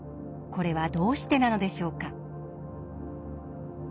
これはどうしてなのでしょうか？